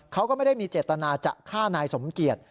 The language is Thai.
เขาก็ไม่ได้มีเจตนาจะฆ่านายสมเกียจ